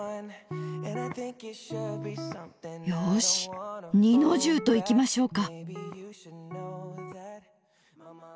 よし二の重といきましょうか。